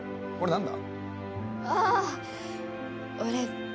何だ？